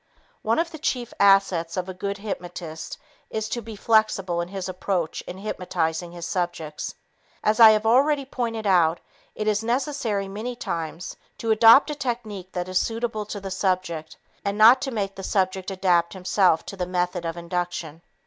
One of the chief assets of a good hypnotist is to be flexible in his approach in hypnotizing his subjects. As I have already pointed out, it is necessary many times to adopt a technique that is suitable to the subject and not to make the subject adapt himself to the method of induction.